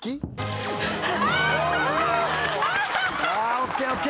ＯＫＯＫ。